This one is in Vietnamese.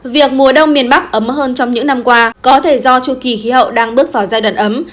việc mùa đông miền bắc ấm hơn trong những năm qua có thể do chu kỳ khí hậu đang bước vào giai đoạn ấm